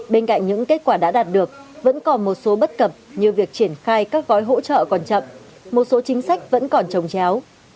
bên cạnh những kết quả đã đạt được vẫn còn một số bất cập như việc triển khai các gói hỗ trợ còn chậm một số chính sách vẫn còn trồng chéo